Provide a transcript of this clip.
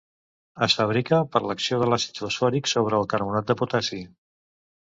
Es fabrica per l'acció de l'àcid fosfòric sobre el carbonat de potassi.